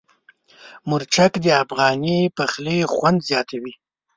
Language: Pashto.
مرچک د افغاني پخلي خوند زیاتوي.